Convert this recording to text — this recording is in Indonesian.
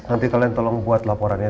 nanti kalian tolong buat laporannya